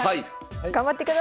頑張ってください。